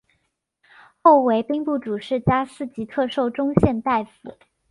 后为兵部主事加四级特授中宪大夫。